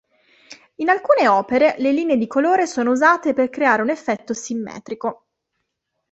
In alcune opere, le linee di colore sono usate per creare un effetto simmetrico.